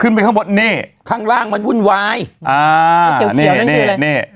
ขึ้นไปข้างบนเนี่ยข้างล่างมันวุ่นวายอ่านี่นี่นี่